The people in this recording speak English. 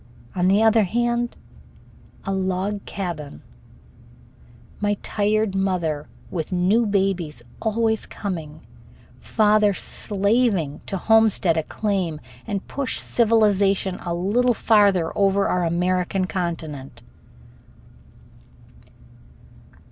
On the other hand a log cabin, my tired mother with new babies always coming, father slaving to homestead a claim and push civilization a little farther over our American continent.